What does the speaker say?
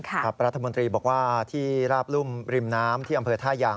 รัฐมนตรีบอกว่าที่ราบรุ่มริมน้ำที่อำเภอท่ายาง